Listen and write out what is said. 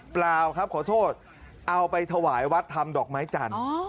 เปล่าครับขอโทษเอาไปถวายวัดทำดอกไม้จันทร์